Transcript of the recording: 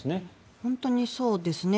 本当にそうですね。